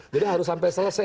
jadi harus sampai selesai